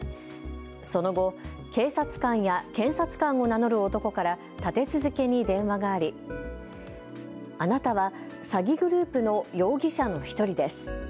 その後、警察官や検察官を名乗る男から立て続けに電話があり、あなたは詐欺グループの容疑者の１人です。